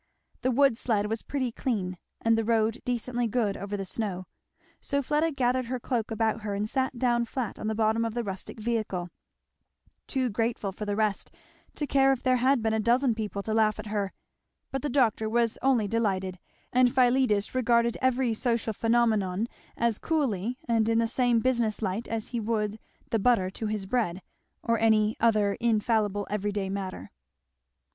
The wood sled was pretty clean, and the road decently good over the snow. So Fleda gathered her cloak about her and sat down flat on the bottom of her rustic vehicle; too grateful for the rest to care if there had been a dozen people to laugh at her; but the doctor was only delighted, and Philetus regarded every social phenomenon as coolly and in the same business light as he would the butter to his bread, or any other infallible every day matter.